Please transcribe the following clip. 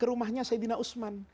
ke rumahnya saidina usman